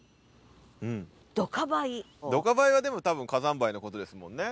「ドカ灰」はでも多分火山灰のことですもんね。